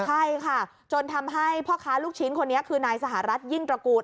ใช่ค่ะจนทำให้พ่อค้าลูกชิ้นคนนี้คือนายสหรัฐยิ่งตระกูล